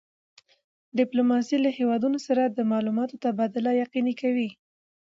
ډیپلوماسي له هېوادونو سره د معلوماتو تبادله یقیني کوي.